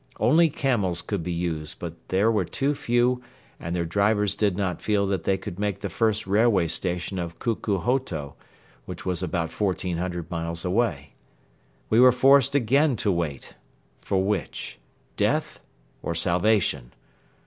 Only camels could be used but there were too few and their drivers did not feel that they could make the first railway station of Kuku Hoto, which was about fourteen hundred miles away. We were forced again to wait: for which? Death or salvation?